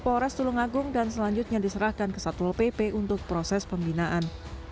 polres tulung agung dan selanjutnya diserahkan ke satul pp untuk proses pembinaan